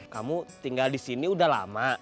kamu tinggal di sini udah lama